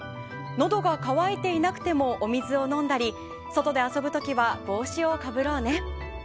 のどが渇いていなくてもお水を飲んだり外で遊ぶときは帽子をかぶろうね。